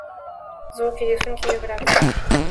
Звуки и рисунки вибраций